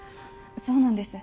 そうなんです。